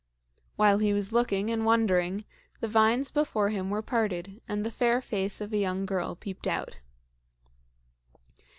While he was looking and wondering, the vines before him were parted and the fair face of a young girl peeped out.